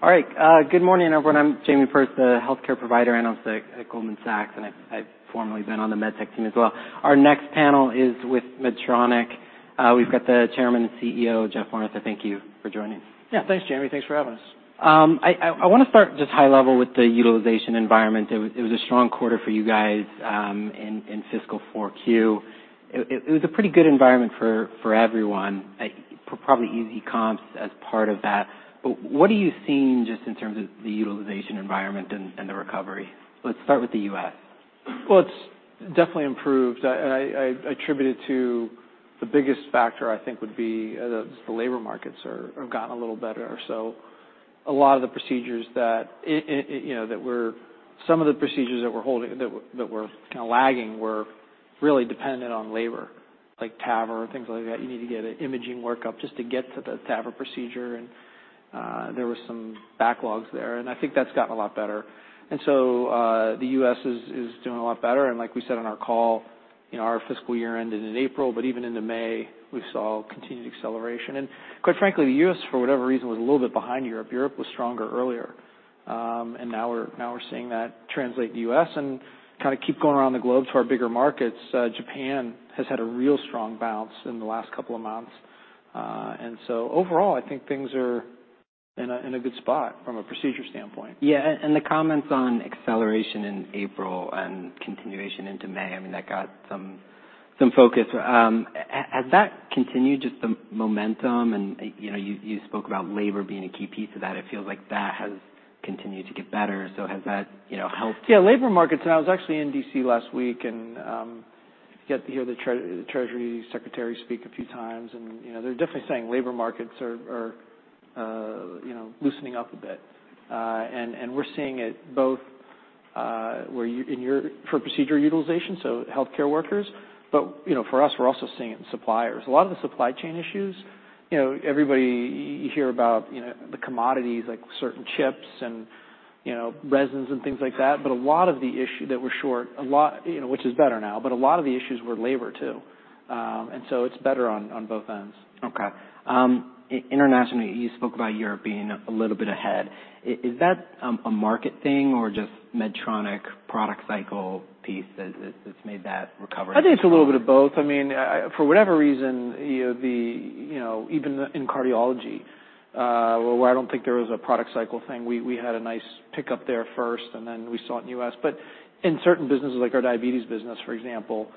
All right, good morning, everyone. I'm Jamie Perse, a healthcare provider analyst at Goldman Sachs, and I've formerly been on the med tech team as well. Our next panel is with Medtronic. We've got the Chairman and CEO, Geoff Martha, thank you for joining. Yeah, thanks, Jamie. Thanks for having us. I wanna start just high level with the utilization environment. It was a strong quarter for you guys, in fiscal 4Q. It was a pretty good environment for everyone, probably easy comps as part of that. What are you seeing just in terms of the utilization environment and the recovery? Let's start with the U.S. Well, it's definitely improved. I attribute it to. The biggest factor, I think, would be the labor markets have gotten a little better. A lot of the procedures that you know, some of the procedures that were holding, that were kinda lagging, were really dependent on labor, like TAVR, things like that. You need to get an imaging workup just to get to the TAVR procedure, and there were some backlogs there, and I think that's gotten a lot better. The U.S. is doing a lot better. Like we said on our call, you know, our fiscal year ended in April, but even into May, we saw continued acceleration. Quite frankly, the U.S., for whatever reason, was a little bit behind Europe. Europe was stronger earlier. Now we're seeing that translate to U.S. Kind of keep going around the globe to our bigger markets, Japan has had a real strong bounce in the last couple of months. Overall, I think things are in a good spot from a procedure standpoint. The comments on acceleration in April and continuation into May, I mean, that got some focus. Has that continued, just the momentum and, you know, you spoke about labor being a key piece of that. It feels like that has continued to get better. Has that, you know, helped- Yeah, labor markets. I was actually in D.C. last week, and you get to hear the Treasury Secretary speak a few times, and, you know, they're definitely saying labor markets are, you know, loosening up a bit. We're seeing it both for procedure utilization, so healthcare workers, but, you know, for us, we're also seeing it in suppliers. A lot of the supply chain issues, you know, everybody, you hear about, you know, the commodities, like certain chips and, you know, resins and things like that, but a lot of the issues that were short, which is better now, but a lot of the issues were labor, too. It's better on both ends. Okay. Internationally, you spoke about Europe being a little bit ahead. Is that a market thing or just Medtronic product cycle piece that's made that recovery? I think it's a little bit of both. I mean, for whatever reason, you know, even in cardiology, where I don't think there was a product cycle thing, we had a nice pickup there first, and then we saw it in the US. In certain businesses, like our diabetes business, for example,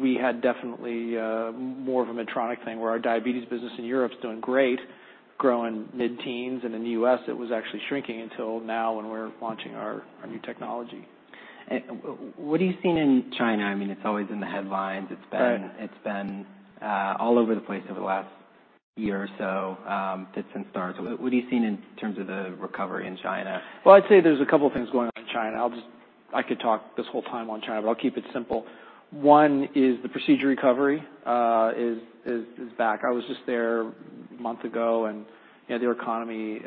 we had definitely more of a Medtronic thing, where our diabetes business in Europe is doing great, growing mid-teens, and in the US, it was actually shrinking until now, when we're launching our new technology. What are you seeing in China? I mean, it's always in the headlines. Right. It's been all over the place over the last year or so, fits and starts. What are you seeing in terms of the recovery in China? Well, I'd say there's a couple of things going on in China. I could talk this whole time on China, but I'll keep it simple. One is the procedure recovery is back. I was just there a month ago, and, you know, their economy,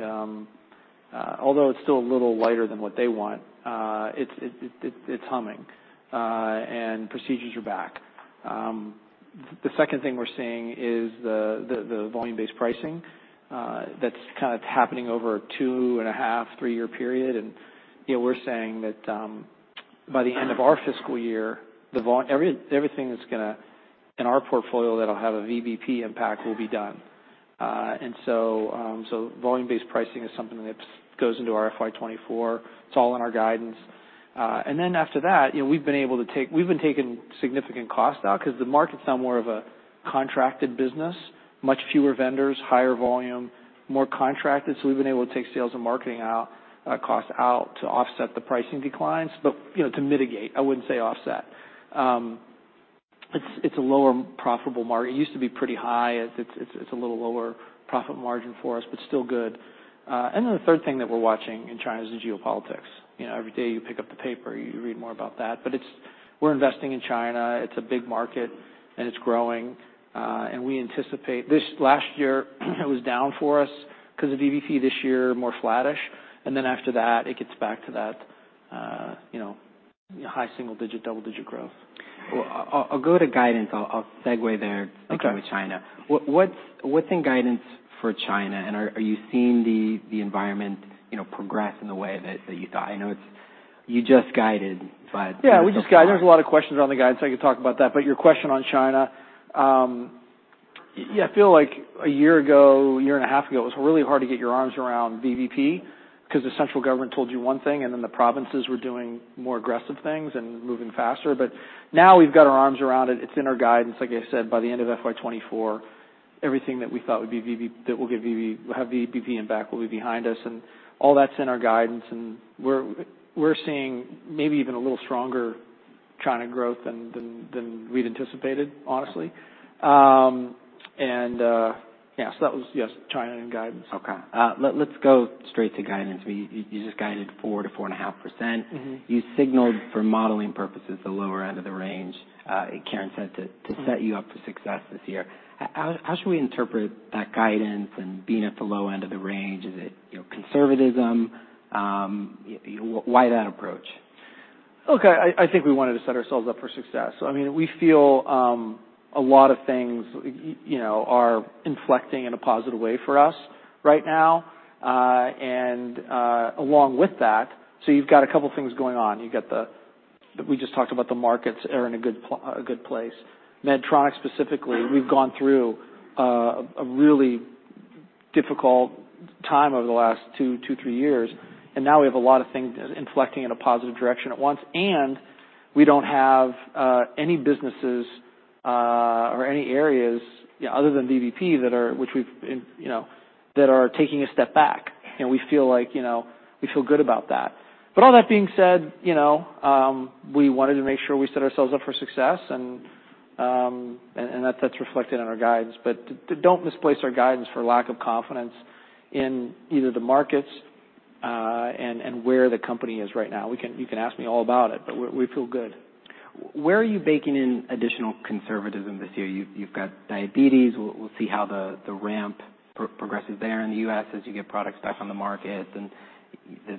although it's still a little lighter than what they want, it's humming, and procedures are back. The second thing we're seeing is the volume-based procurement that's kind of happening over a 2.5, 3-year period. You know, we're saying that by the end of our fiscal year, everything is gonna, in our portfolio, that'll have a VBP impact will be done. So volume-based procurement is something that goes into our FY 2024. It's all in our guidance. After that, you know, we've been taking significant costs out because the market's now more of a contracted business, much fewer vendors, higher volume, more contracted, so we've been able to take sales and marketing out, costs out to offset the pricing declines, but, you know, to mitigate, I wouldn't say offset. It's, it's a lower profitable margin. It used to be pretty high. It's, it's a little lower profit margin for us, but still good. The third thing that we're watching in China is the geopolitics. You know, every day you pick up the paper, you read more about that. It's- we're investing in China. It's a big market, and it's growing, and we anticipate- this last year, it was down for us because of VBP. This year, more flattish, and then after that, it gets back to that, you know, high single digit, double-digit growth. Well, I'll go to guidance. I'll segue there. Okay. with China. What's in guidance for China? Are you seeing the environment, you know, progress in the way that you thought? I know you just guided. We just guided. There's a lot of questions on the guidance, so I can talk about that. Your question on China, yeah, I feel like a year ago, a year and a half ago, it was really hard to get your arms around VBP because the central government told you one thing, and then the provinces were doing more aggressive things and moving faster. Now we've got our arms around it. It's in our guidance. Like I said, by the end of FY 2024, everything that we thought would have VBP impact will be behind us, and all that's in our guidance, and we're seeing maybe even a little stronger China growth than we'd anticipated, honestly. Yeah, so that was, yes, China and guidance. Okay. Let's go straight to guidance. You just guided 4%-4.5%. Mm-hmm. You signaled for modeling purposes, the lower end of the range, Karen said. Mm-hmm to set you up for success this year. How should we interpret that guidance and being at the low end of the range? Is it, you know, conservatism? Why that approach? Okay, I think we wanted to set ourselves up for success. I mean, we feel, a lot of things, you know, are inflecting in a positive way for us right now. Along with that, you've got a couple things going on. You've got, we just talked about, the markets are in a good place. Medtronic, specifically, we've gone through, a really difficult time over the last 2, 3 years, and now we have a lot of things inflecting in a positive direction at once, and we don't have, any businesses, or any areas, you know, other than VBP, which we've, you know, that are taking a step back. We feel like, you know, we feel good about that. All that being said, you know, we wanted to make sure we set ourselves up for success, and that's reflected in our guidance. Don't misplace our guidance for lack of confidence in either the markets, and where the company is right now. You can ask me all about it, but we feel good. Where are you baking in additional conservatism this year? You've got diabetes. We'll see how the ramp progresses there in the U.S. as you get products back on the market and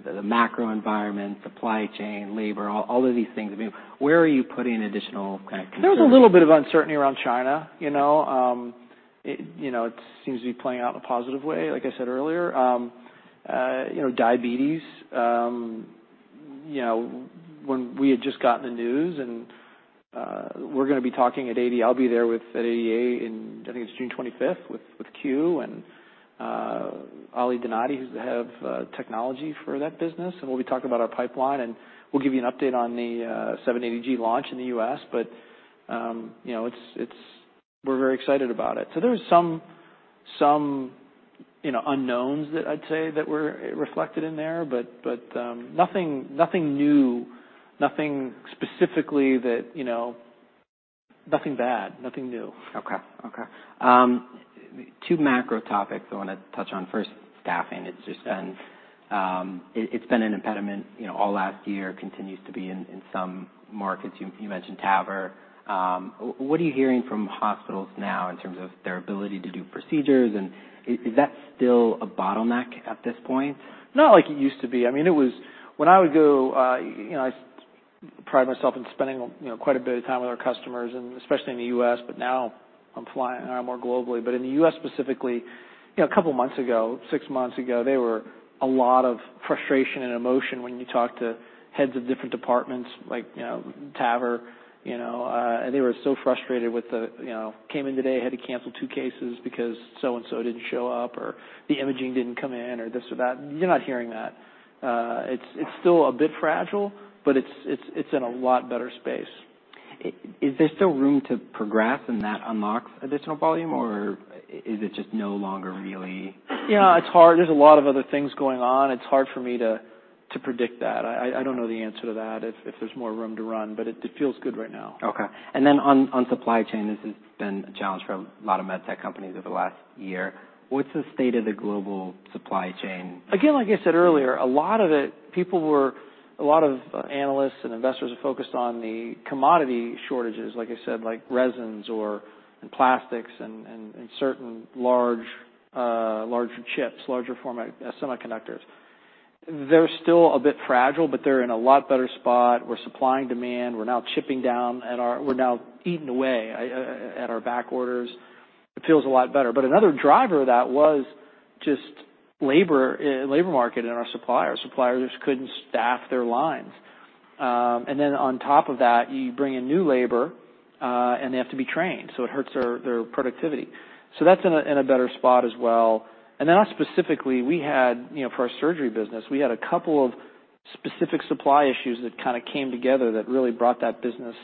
the macro environment, supply chain, labor, all of these things. I mean, where are you putting additional kind of concerns? There's a little bit of uncertainty around China, you know, it seems to be playing out in a positive way, like I said earlier. You know, diabetes, you know, when we had just gotten the news, we're going to be talking at ADA. I'll be there at ADA in, I think it's June 25th, with Que and Ali Dianaty, who's the head of technology for that business. We'll be talking about our pipeline, and we'll give you an update on the 780G launch in the U.S. You know, we're very excited about it. There's some, you know, unknowns that I'd say that were reflected in there, nothing new. Nothing specifically that. Nothing bad, nothing new. Okay. Okay. two macro topics I want to touch on. First, staffing. It's just been an impediment, you know, all last year, continues to be in some markets. You mentioned TAVR. What are you hearing from hospitals now in terms of their ability to do procedures, and is that still a bottleneck at this point? Not like it used to be. I mean, when I would go, you know, I pride myself in spending, you know, quite a bit of time with our customers, and especially in the U.S., but now I'm flying around more globally. In the U.S., specifically, you know, a couple months ago, six months ago, there were a lot of frustration and emotion when you talk to heads of different departments like, you know, TAVR, and they were so frustrated with the, you know, "Came in today, had to cancel two cases because so and so didn't show up, or the imaging didn't come in," or this or that. You're not hearing that. It's still a bit fragile, but it's, it's in a lot better space. Is there still room to progress and that unlocks additional volume, or is it just no longer really? Yeah, it's hard. There's a lot of other things going on. It's hard for me to predict that. I don't know the answer to that, if there's more room to run, but it feels good right now. Okay. On supply chain, this has been a challenge for a lot of med tech companies over the last year. What's the state of the global supply chain? Again, like I said earlier, a lot of it, people were a lot of analysts and investors are focused on the commodity shortages, like I said, like resins or, and plastics and certain large chips, larger format, semiconductors. They're still a bit fragile, but they're in a lot better spot. We're supplying demand. We're now chipping down at our, we're now eating away at our back orders. It feels a lot better. Another driver of that was just labor market and our suppliers. Suppliers just couldn't staff their lines. On top of that, you bring in new labor, and they have to be trained, so it hurts their productivity. That's in a better spot as well. Us, specifically, we had... You know, for our surgery business, we had a couple of specific supply issues that kind of came together that really brought that business,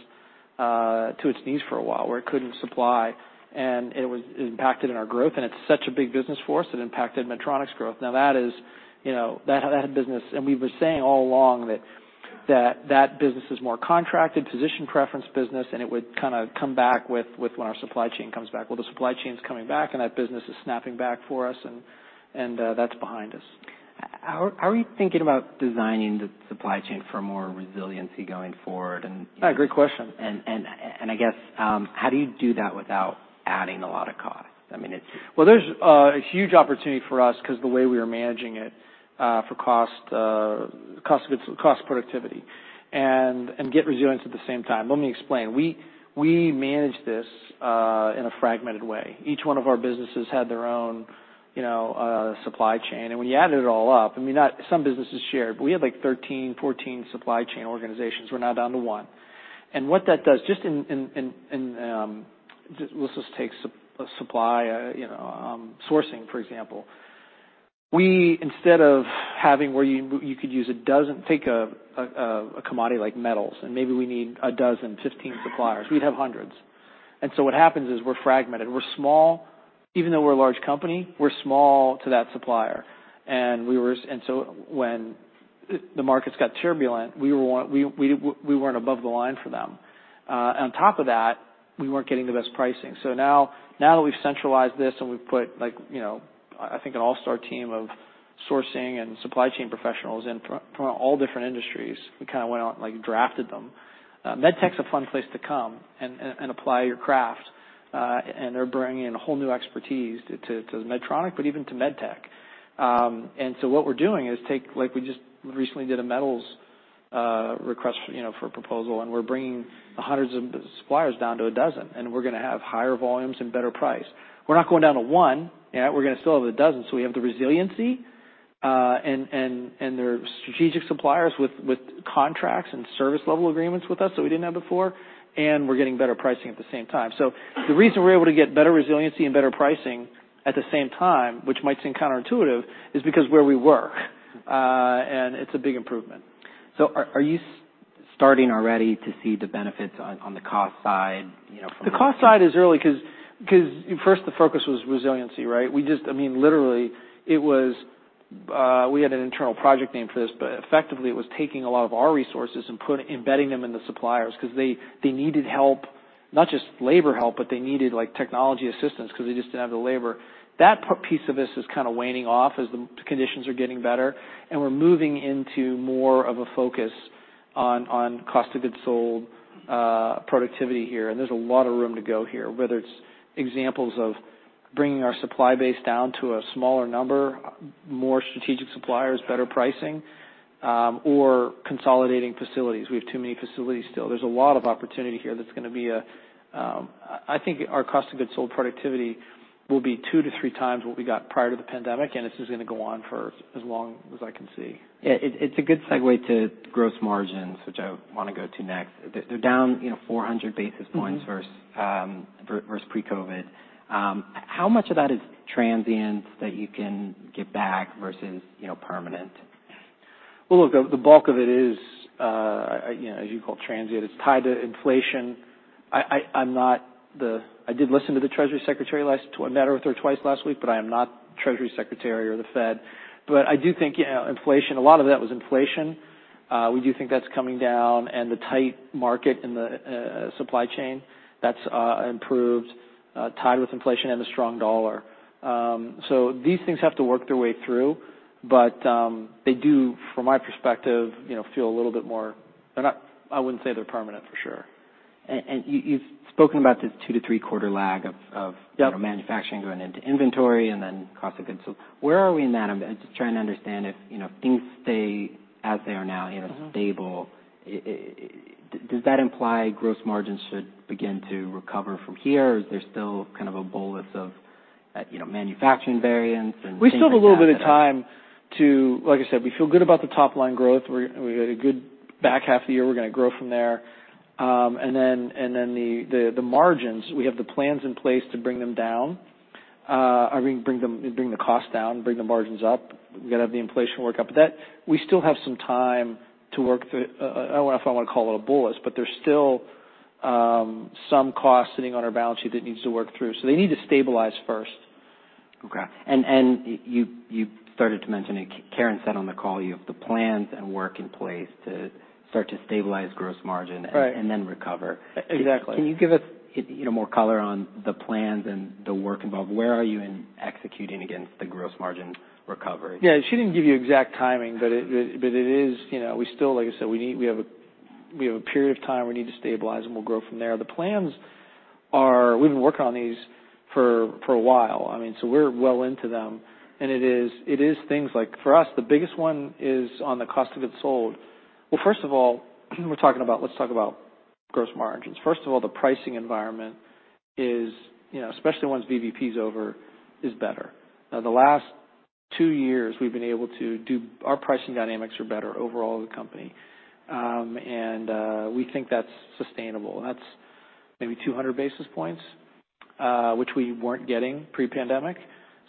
to its knees for a while, where it couldn't supply, and it was impacted in our growth, and it's such a big business for us, it impacted Medtronic's growth. Now that is, you know, that business. We've been saying all along that business is more contracted, physician preference business, and it would kind of come back with when our supply chain comes back. Well, the supply chain's coming back, and that business is snapping back for us, and that's behind us. How are you thinking about designing the supply chain for more resiliency going forward? Great question. I guess, how do you do that without adding a lot of cost? I mean, Well, there's a huge opportunity for us because the way we are managing it for cost productivity, and get resilience at the same time. Let me explain. We managed this in a fragmented way. Each one of our businesses had their own, you know, supply chain, and when you added it all up, I mean, some businesses shared, but we had, like, 13, 14 supply chain organizations. We're now down to one. What that does, just in, let's just take supply, you know, sourcing, for example. Instead of having where you could use a commodity like metals, and maybe we need 12, 15 suppliers. We'd have hundreds. What happens is we're fragmented. We're small. Even though we're a large company, we're small to that supplier. When the markets got turbulent, we weren't above the line for them. On top of that, we weren't getting the best pricing. Now that we've centralized this and we've put like, you know, I think, an all-star team of sourcing and supply chain professionals in from all different industries, we kind of went out and, like, drafted them. Medtech's a fun place to come and apply your craft, and they're bringing in a whole new expertise to Medtronic, but even to Medtech. What we're doing is Like, we just recently did a metals request, you know, for a proposal, and we're bringing hundreds of suppliers down to a dozen, and we're gonna have higher volumes and better price. We're not going down to one, yeah, we're gonna still have a dozen, so we have the resiliency, and their strategic suppliers with contracts and service level agreements with us that we didn't have before, and we're getting better pricing at the same time. The reason we're able to get better resiliency and better pricing at the same time, which might seem counterintuitive, is because where we work, and it's a big improvement. Are you starting already to see the benefits on the cost side, you know, from? The cost side is early, 'cause first, the focus was resiliency, right? We just... I mean, literally, it was, we had an internal project name for this, but effectively, it was taking a lot of our resources and embedding them in the suppliers because they needed help. Not just labor help, but they needed, like, technology assistance because they just didn't have the labor. That piece of this is kind of waning off as the conditions are getting better, and we're moving into more of a focus on cost of goods sold productivity here. And there's a lot of room to go here, whether it's examples of bringing our supply base down to a smaller number, more strategic suppliers, better pricing, or consolidating facilities. We have too many facilities still. There's a lot of opportunity here that's gonna be a. I think our cost of goods sold productivity will be two to three times what we got prior to the pandemic, and this is gonna go on for as long as I can see. Yeah, it's a good segue to gross margins, which I want to go to next. They're down, you know, 400 basis points. Mm-hmm. - versus pre-COVID. How much of that is transient that you can get back versus, you know, permanent? Look, the bulk of it is, you know, as you call, transient. It's tied to inflation. I did listen to the Treasury Secretary. I met with her twice last week, but I am not Treasury Secretary or the Fed. I do think, you know, inflation, a lot of that was inflation. We do think that's coming down, and the tight market in the supply chain, that's improved, tied with inflation and the strong dollar. These things have to work their way through, but they do, from my perspective, you know, feel a little bit more. They're not. I wouldn't say they're permanent, for sure. You've spoken about this 2 to 3-quarter lag of... Yep. manufacturing going into inventory and then cost of goods. Where are we in that? I'm just trying to understand if, you know, things stay as they are now, you know- Mm-hmm. stable, does that imply gross margins should begin to recover from here, or is there still kind of a bolus of, you know, manufacturing variance and things like that? We still have a little bit of time to. Like I said, we feel good about the top-line growth. We had a good back half of the year. We're gonna grow from there. The margins, we have the plans in place to bring them down. I mean, bring the cost down, bring the margins up. We've got to have the inflation work up, but that we still have some time to work through, I don't know if I want to call it a bolus, but there's still some cost sitting on our balance sheet that needs to work through. They need to stabilize first. Okay. you started to mention, and Karen said on the call, you have the plans and work in place to start to stabilize gross margin. Right. Recover. Exactly. Can you give us, you know, more color on the plans and the work involved? Where are you in executing against the gross margin recovery? Yeah, she didn't give you exact timing, but it is. You know, we still, like I said, we have a period of time we need to stabilize, and we'll grow from there. The plans, we've been working on these for a while. I mean, we're well into them. It is things like, for us, the biggest one is on the cost of goods sold. Well, first of all, let's talk about gross margins. First of all, the pricing environment is, you know, especially once VBP is over, is better. Now, the last two years, we've been able to do. Our pricing dynamics are better overall of the company. We think that's sustainable. That's maybe 200 basis points, which we weren't getting pre-pandemic.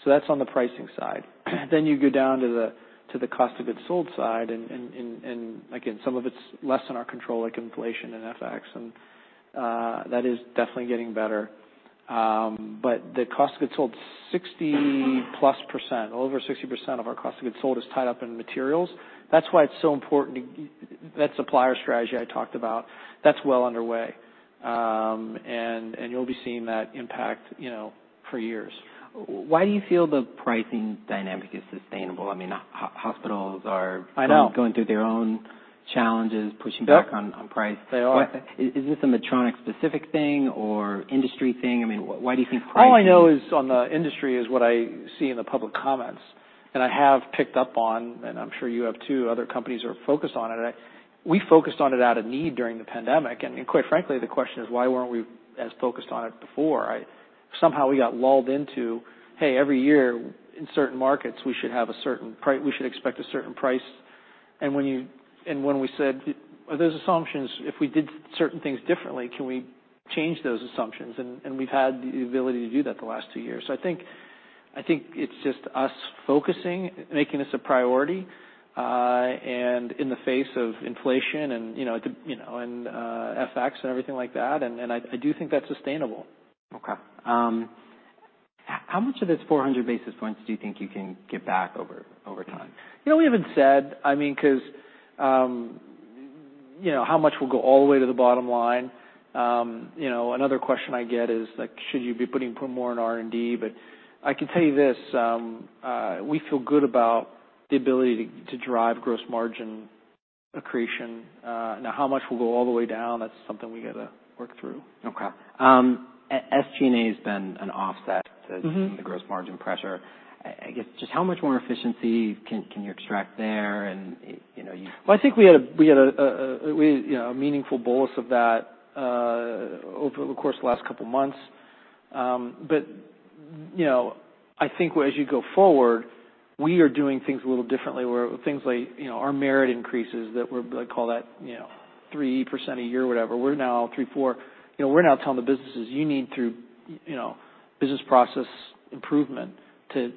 That's on the pricing side. You go down to the cost of goods sold side, and again, some of it's less in our control, like inflation and FX, that is definitely getting better. The cost of goods sold, 60%+, over 60% of our cost of goods sold is tied up in materials. That's why it's so important, that supplier strategy I talked about, that's well underway. You'll be seeing that impact, you know, for years. Why do you feel the pricing dynamic is sustainable? I mean, hospitals are- I know. going through their own challenges, pushing back. Yep. on price. They are. Is this a Medtronic-specific thing or industry thing? I mean, why do you think pricing- All I know is on the industry, is what I see in the public comments, and I have picked up on, and I'm sure you have, too, other companies are focused on it. We focused on it out of need during the pandemic, and quite frankly, the question is: Why weren't we as focused on it before? Somehow we got lulled into, hey, every year in certain markets, we should expect a certain price. When we said, "Are those assumptions, if we did certain things differently, can we change those assumptions?" We've had the ability to do that the last two years. I think it's just us focusing, making this a priority, and in the face of inflation and, you know, the, you know, and FX and everything like that, and I do think that's sustainable. Okay. How much of this 400 basis points do you think you can get back over time? You know, we haven't said, I mean, because, you know, how much will go all the way to the bottom line? You know, another question I get is, like, should you be putting more in R&D? I can tell you this, we feel good about the ability to drive gross margin accretion. Now, how much will go all the way down, that's something we gotta work through. Okay. SG&A has been an offset- Mm-hmm. to the gross margin pressure. I guess, just how much more efficiency can you extract there? you know? Well, I think we had a, we had a, you know, a meaningful bolus of that over the course of the last couple months. You know, I think as you go forward, we are doing things a little differently, where things like, you know, our merit increases that we call that, you know, 3% a year, whatever, we're now 3%, 4%. You know, we're now telling the businesses, "You need to, you know, business process improvement to,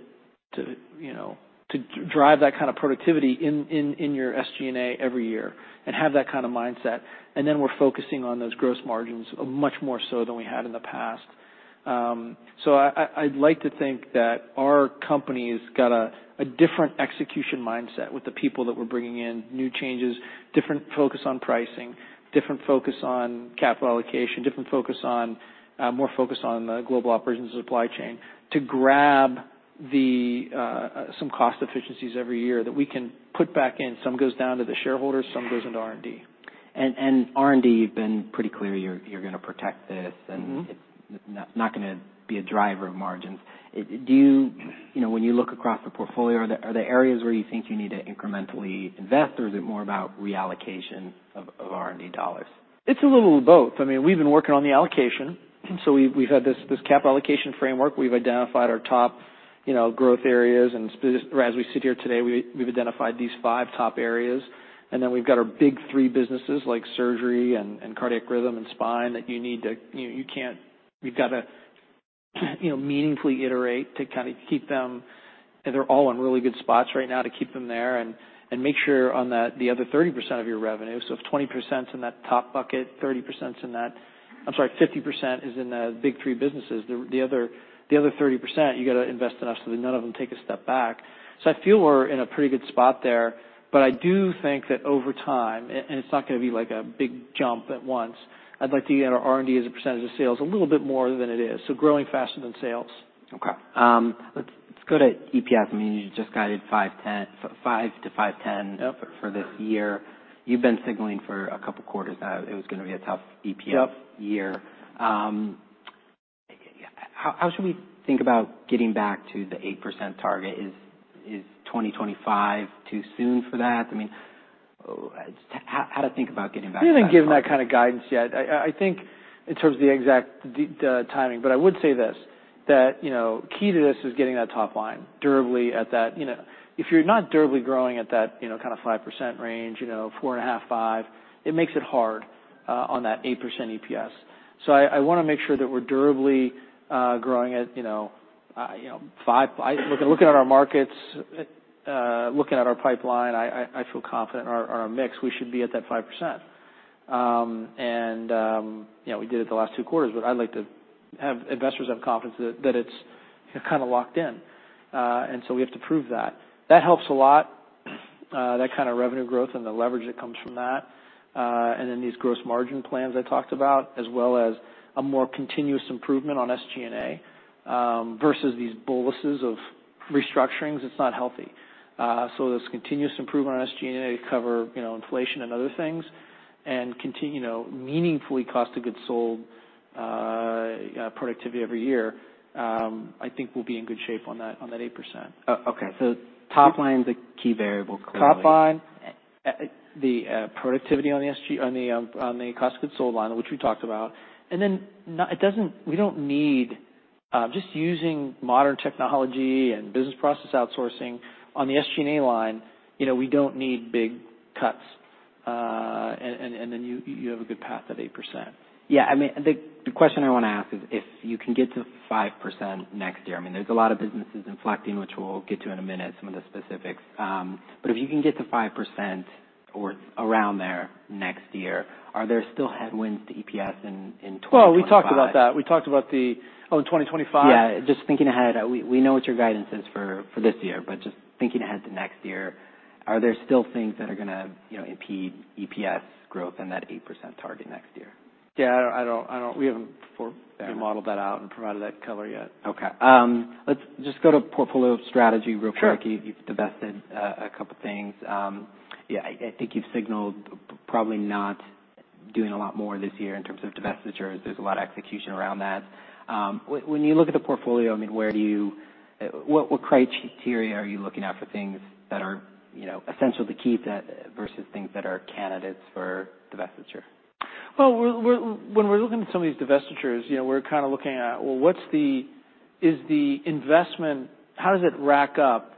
you know, to drive that kind of productivity in your SG&A every year, and have that kind of mindset." We're focusing on those gross margins, much more so than we had in the past. I'd like to think that our company's got a different execution mindset with the people that we're bringing in. New changes, different focus on pricing, different focus on capital allocation, different focus on more focus on the global operations and supply chain, to grab the some cost efficiencies every year that we can put back in. Some goes down to the shareholders, some goes into R&D. R&D, you've been pretty clear, you're gonna protect this. Mm-hmm. It's not gonna be a driver of margins. You know, when you look across the portfolio, are there areas where you think you need to incrementally invest, or is it more about reallocation of R&D dollars? It's a little of both. I mean, we've been working on the allocation, so we've had this capital allocation framework. We've identified our top, you know, growth areas, as we sit here today, we've identified these 5 top areas. We've got our big 3 businesses, like surgery and cardiac rhythm and spine, that you need to... You can't- You've got to, you know, meaningfully iterate to kind of keep them, and they're all in really good spots right now, to keep them there. And make sure on that, the other 30% of your revenue, so if 20%'s in that top bucket, 30%'s in that... I'm sorry, 50% is in the big 3 businesses, the other 30%, you gotta invest enough so that none of them take a step back. I feel we're in a pretty good spot there, but I do think that over time, and it's not gonna be, like, a big jump at once, I'd like to get our R&D as a percentage of sales a little bit more than it is, so growing faster than sales. Okay. let's go to EPS. I mean, you just guided $5-$5.10 Yep for this year. You've been signaling for a couple quarters now, it was gonna be a tough EPS- Yep -year. How should we think about getting back to the 8% target? Is 2025 too soon for that? I mean, how to think about getting back to that target? We haven't given that kind of guidance yet. I think in terms of the exact timing, I would say this: that, you know, key to this is getting that top line durably at that... You know, if you're not durably growing at that, you know, kind of 5% range, you know, 4.5, it makes it hard on that 8% EPS. I wanna make sure that we're durably growing at, you know, you know, 5. Mm-hmm. Looking at our markets, looking at our pipeline, I feel confident in our mix, we should be at that 5%. You know, we did it the last 2 quarters, but I'd like to have investors have confidence that it's kind of locked in. We have to prove that. That helps a lot, that kind of revenue growth and the leverage that comes from that. These gross margin plans I talked about, as well as a more continuous improvement on SG&A, versus these boluses of restructurings. It's not healthy. This continuous improvement on SG&A to cover, you know, inflation and other things, and continue, you know, meaningfully cost to goods sold productivity every year, I think we'll be in good shape on that 8%. okay, top line's a key variable, clearly. Top line, the productivity on the cost of goods sold line, which we talked about. Just using modern technology and business process outsourcing on the SG&A line, you know, we don't need big cuts, and then you have a good path at 8%. Yeah, I mean, the question I want to ask is, if you can get to 5% next year, I mean, there's a lot of businesses inflecting, which we'll get to in a minute, some of the specifics, but if you can get to 5% or around there next year, are there still headwinds to EPS in 2025? Well, we talked about that. We talked about the... Oh, in 2025? Yeah, just thinking ahead. We know what your guidance is for this year, but just thinking ahead to next year, are there still things that are gonna, you know, impede EPS growth and that 8% target next year? Yeah, I don't. Fair... modeled that out and provided that color yet. Okay. let's just go to portfolio strategy real quick. Sure. You've divested a couple things. Yeah, I think you've signaled probably not doing a lot more this year in terms of divestitures. There's a lot of execution around that. When you look at the portfolio, I mean, where do you... what criteria are you looking at for things that are, you know, essential to keep that, versus things that are candidates for divestiture? Well, we're when we're looking at some of these divestitures, you know, we're kind of looking at, well, what's the investment, how does it rack up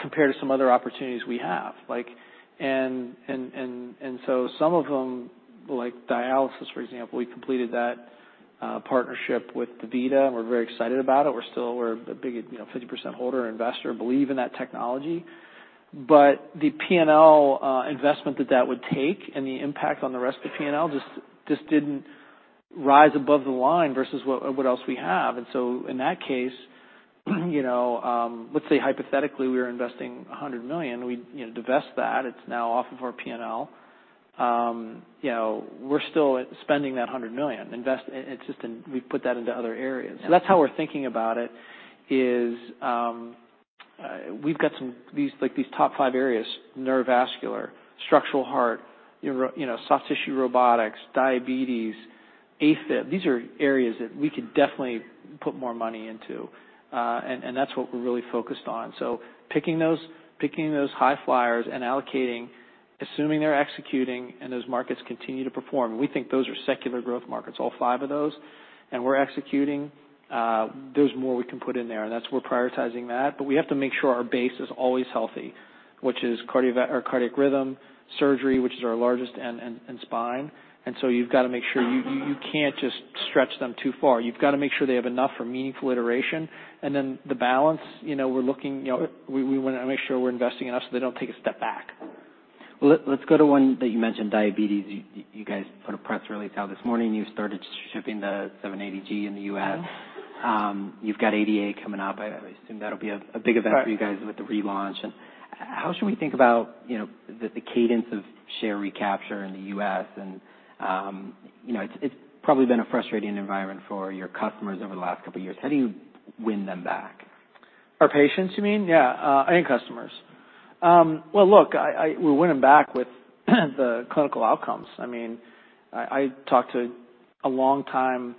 compared to some other opportunities we have? Some of them, like dialysis, for example, we completed that partnership with DaVita, and we're very excited about it. We're a big, you know, 50% holder, investor, believe in that technology. The PNL investment that that would take and the impact on the rest of PNL just didn't rise above the line versus what else we have. In that case, you know, let's say hypothetically, we are investing $100 million. We, you know, divest that, it's now off of our PNL. You know, we're still spending that $100 million, it's just in, we've put that into other areas. That's how we're thinking about it, is, we've got these, like, these top five areas, neurovascular, structural heart, uro- you know, soft tissue robotics, diabetes, AFib. These are areas that we could definitely put more money into, and that's what we're really focused on. Picking those, picking those high flyers and allocating, assuming they're executing and those markets continue to perform, we think those are secular growth markets, all five of those, and we're executing. There's more we can put in there, and that's we're prioritizing that. We have to make sure our base is always healthy, which is cardiac rhythm, surgery, which is our largest, and spine. You've got to make sure, you can't just stretch them too far. You've got to make sure they have enough for meaningful iteration. The balance, you know, we're looking, you know, we wanna make sure we're investing in us, so they don't take a step back. Well, let's go to one that you mentioned, diabetes. You guys put a press release out this morning, you started shipping the 780G in the U.S. You've got ADA coming up. I assume that'll be a big event. Right. -for you guys with the relaunch. How should we think about, you know, the cadence of share recapture in the U.S.? You know, it's probably been a frustrating environment for your customers over the last couple of years. How do you win them back? Our patients, you mean? Yeah, any customers. Well, look, we win them back with the clinical outcomes. I mean, I talked to a long-time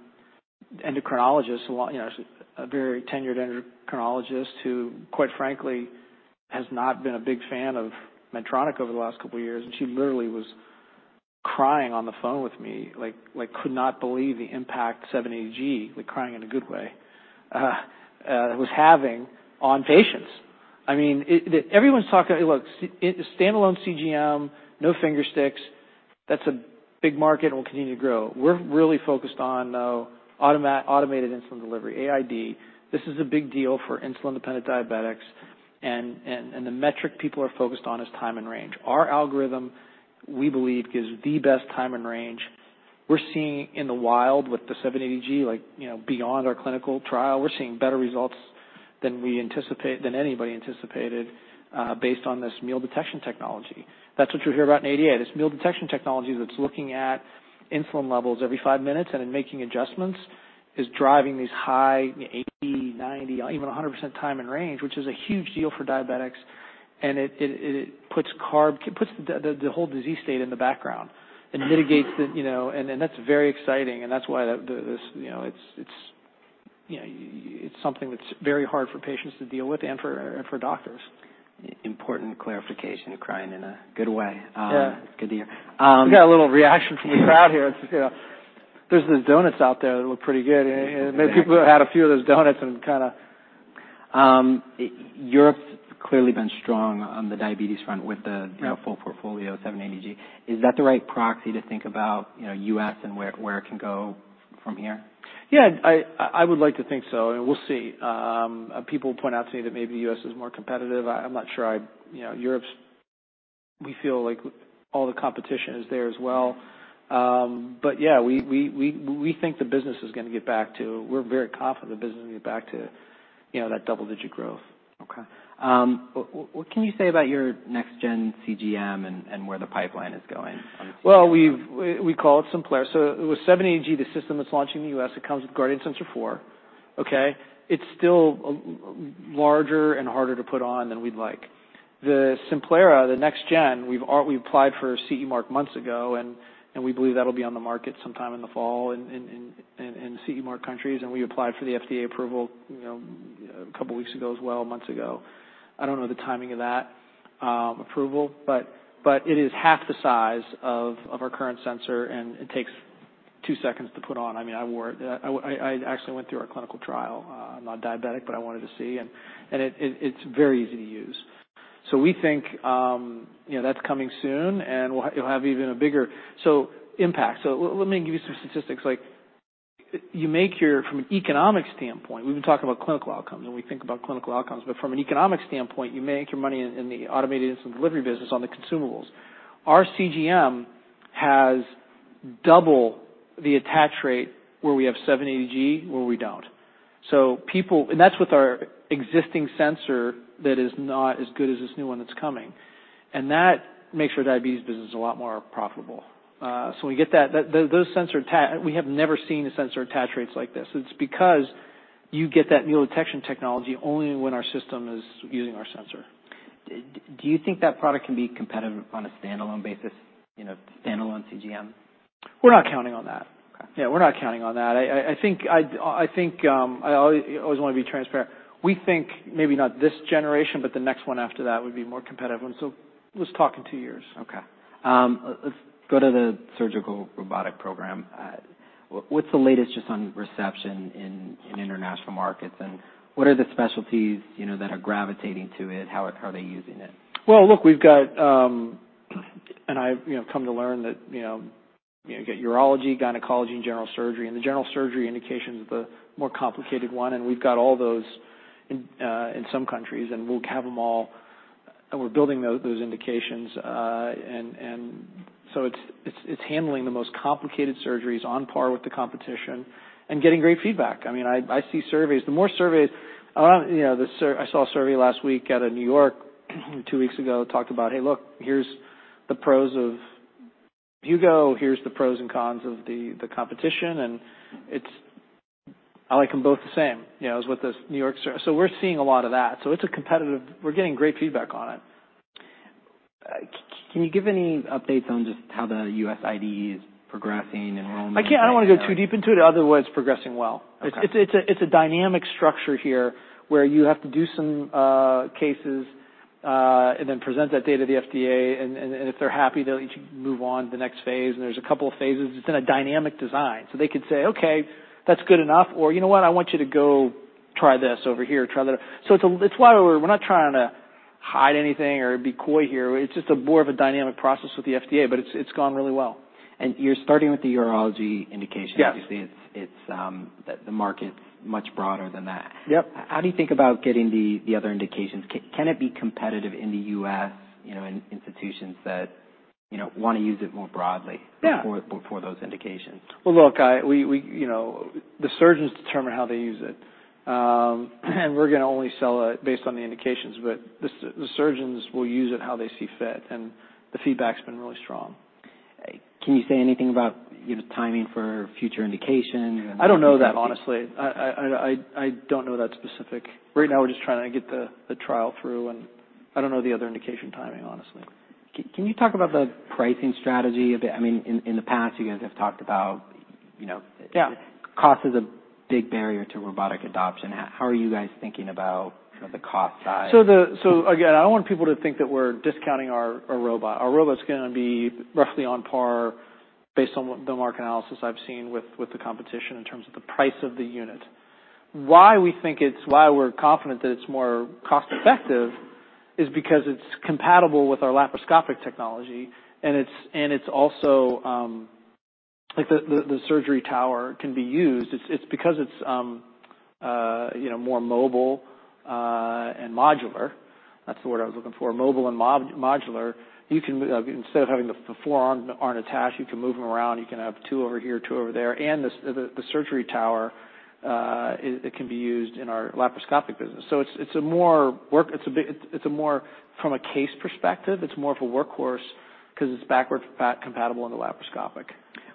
endocrinologist, a long, you know, a very tenured endocrinologist who, quite frankly, has not been a big fan of Medtronic over the last couple of years, and she literally was crying on the phone with me, like, could not believe the impact 780G, like, crying in a good way, was having on patients. I mean, look, standalone CGM, no finger sticks, that's a big market and will continue to grow. We're really focused on, though, automated insulin delivery, AID. This is a big deal for insulin-dependent diabetics, and the metric people are focused on is time in range. Our algorithm, we believe, gives the best time in range. We're seeing in the wild with the 780G, like, you know, beyond our clinical trial, we're seeing better results than anybody anticipated, based on this Meal Detection technology. That's what you'll hear about in ADA, this Meal Detection technology that's looking at insulin levels every five minutes and then making adjustments, is driving these high 80%, 90%, even 100% time in range, which is a huge deal for diabetics. It puts the whole disease state in the background and mitigates the, you know. That's very exciting, and that's why, you know, it's something that's very hard for patients to deal with and for doctors. Important clarification, crying in a good way. Yeah. Good to hear. We got a little reaction from the crowd here. You know, there's those donuts out there that look pretty good. Maybe people had a few of those donuts and kinda... Europe's clearly been strong on the diabetes front. Yeah -full portfolio, 780G. Is that the right proxy to think about, you know, U.S. and where it can go from here? Yeah, I would like to think so, we'll see. People point out to me that maybe U.S. is more competitive. I'm not sure. You know, Europe's, we feel like all the competition is there as well. Yeah, we're very confident the business will get back to, you know, that double-digit growth. Okay. What can you say about your next gen CGM and where the pipeline is going on CGM? We call it Simplera. With MiniMed 780G, the system that's launching in the U.S., it comes with Guardian 4 sensor. Okay? It's still larger and harder to put on than we'd like. The Simplera, the next gen, we applied for a CE mark months ago, and we believe that'll be on the market sometime in the fall in CE mark countries, and we applied for the FDA approval, you know, a couple of weeks ago as well, months ago. I don't know the timing of that approval, but it is half the size of our current sensor, and it takes 2 seconds to put on. I mean, I wore it. I actually went through our clinical trial. I'm not diabetic, but I wanted to see, and it's very easy to use. We think, you know, that's coming soon, and it'll have even a bigger impact. Let me give you some statistics, like. From an economic standpoint, we've been talking about clinical outcomes, and we think about clinical outcomes, but from an economic standpoint, you make your money in the automated insulin delivery business on the consumables. Our CGM has double the attach rate where we have 780G, where we don't. And that's with our existing sensor that is not as good as this new one that's coming, and that makes our diabetes business a lot more profitable. When we get that, we have never seen the sensor attach rates like this. It's because you get that Meal Detection technology only when our system is using our sensor. Do you think that product can be competitive on a standalone basis, you know, standalone CGM? We're not counting on that. Okay. Yeah, we're not counting on that. I think, I think, I always want to be transparent. We think maybe not this generation, but the next one after that would be more competitive. Let's talk in two years. Okay. Let's go to the surgical robotic program. What's the latest just on reception in international markets, and what are the specialties, you know, that are gravitating to it? How are they using it? Look, we've got, I've, you know, come to learn that, you know, you get urology, gynecology, and general surgery, and the general surgery indication is the more complicated one. We've got all those in some countries, and we'll have them all. We're building those indications, so it's handling the most complicated surgeries on par with the competition and getting great feedback. I mean, I see surveys. The more surveys, you know, I saw a survey last week out of New York, two weeks ago, talked about, "Hey, look, here's the pros of Hugo, here's the pros and cons of the competition," and it's. I like them both the same, you know, as with this New York survey. We're seeing a lot of that. It's a competitive... We're getting great feedback on it. Can you give any updates on just how the US IDE is progressing, enrollment? I can't, I don't want to go too deep into it, other than it's progressing well. Okay. It's a dynamic structure here, where you have to do some cases and then present that data to the FDA, and if they're happy, they'll let you move on to the next phase. There's a couple of phases. It's in a dynamic design. They could say, "Okay, that's good enough," or, "You know what? I want you to go try this over here, try that." It's why we're not trying to hide anything or be coy here. It's just a more of a dynamic process with the FDA, but it's gone really well. You're starting with the urology indication? Yes. Obviously, it's, the market's much broader than that. Yep. How do you think about getting the other indications? Can it be competitive in the U.S., you know, in institutions that, you know, want to use it more broadly- Yeah for those indications? Well, look, I, we, you know, the surgeons determine how they use it. We're going to only sell it based on the indications, but the surgeons will use it how they see fit, and the feedback's been really strong. Can you say anything about, you know, timing for future indication? I don't know that, honestly. I don't know that specific. Right now, we're just trying to get the trial through, and I don't know the other indication timing, honestly. Can you talk about the pricing strategy a bit? I mean, in the past, you guys have talked about, you know? Yeah cost is a big barrier to robotic adoption. How are you guys thinking about the cost side? Again, I don't want people to think that we're discounting our robot. Our robot's going to be roughly on par based on what the market analysis I've seen with the competition in terms of the price of the unit. Why we're confident that it's more cost effective is because it's compatible with our laparoscopic technology, and it's also, like the surgery tower can be used. It's because it's, you know, more mobile and modular. That's the word I was looking for, mobile and modular. You can, instead of having the four arm attached, you can move them around, you can have two over here, two over there, and the surgery tower, it can be used in our laparoscopic business. It's a more from a case perspective, it's more of a workhorse because it's backward compatible in the laparoscopic.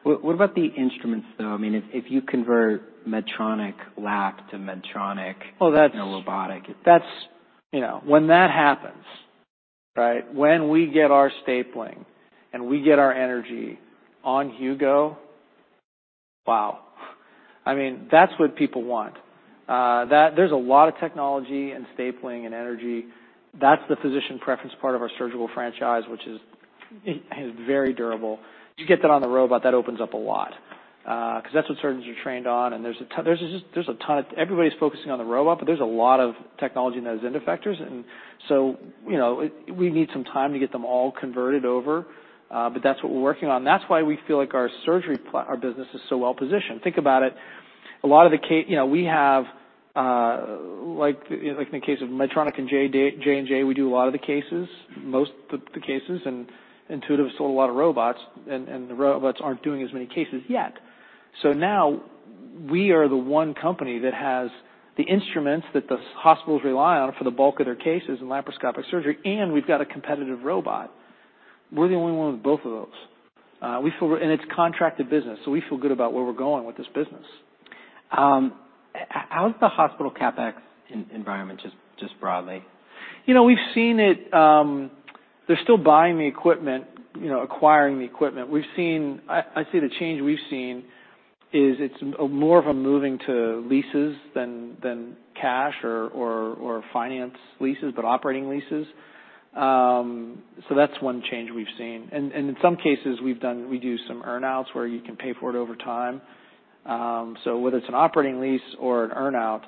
Well, what about the instruments, though? I mean, if you convert Medtronic lap to Medtronic- Well. you know, robotic. That's, you know, when that happens, right? When we get our stapling and we get our energy on Hugo, wow! I mean, that's what people want. There's a lot of technology and stapling and energy. That's the physician preference part of our surgical franchise, which is very durable. You get that on the robot, that opens up a lot, because that's what surgeons are trained on, there's a ton of everybody's focusing on the robot, but there's a lot of technology in those endostaplers. You know, we need some time to get them all converted over, but that's what we're working on. That's why we feel like our surgery our business is so well positioned. Think about it, a lot of the you know, we have, like in the case of Medtronic and J&J, we do a lot of the cases, most of the cases, and Intuitive sold a lot of robots, and the robots aren't doing as many cases yet. Now we are the one company that has the instruments that the hospitals rely on for the bulk of their cases in laparoscopic surgery, and we've got a competitive robot. We're the only one with both of those. We feel. It's contracted business, we feel good about where we're going with this business. how is the hospital CapEx environment, just broadly? You know, we've seen it, they're still buying the equipment, you know, acquiring the equipment. I'd say the change we've seen is it's more of a moving to leases than cash or finance leases, but operating leases. That's one change we've seen. In some cases, we do some earn outs, where you can pay for it over time. Whether it's an operating lease or an earn out,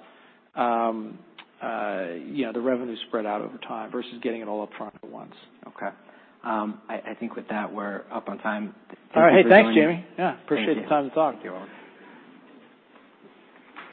you know, the revenue is spread out over time versus getting it all up front at once. Okay. I think with that, we're up on time. All right. Hey, thanks, Jamie. Thank you. Yeah, appreciate the time to talk. You're welcome.